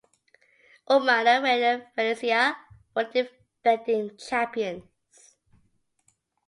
Umana Reyer Venezia were the defending champions.